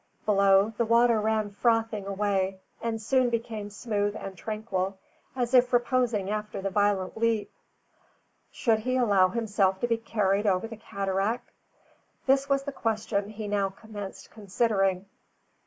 Below, the water ran frothing away and soon became smooth and tranquil, as if reposing after the violent leap. Should he allow himself to be carried over the cataract? This was the question he now commenced considering.